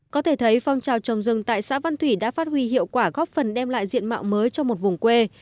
có thể thấy phong trào trồng rừng tại xã văn thủy đã phát huy hiệu quả góp phần đem lại diện mạo mới cho một vùng quê